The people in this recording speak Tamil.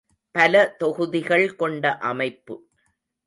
பல தொகுதிகள் கொண்ட அமைப்பு.